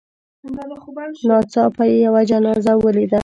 ناڅاپه یې یوه جنازه ولیده.